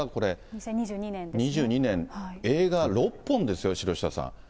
２２年、映画６本ですよ、城下さん。